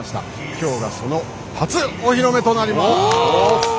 今日がその初お披露目となります。